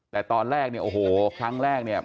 แต่ตอนแรกเนี่ยโอ้โหครั้งแรกเนี่ย